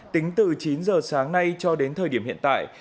tính từ chín giờ sáng nay cho đến thời điểm hiện tại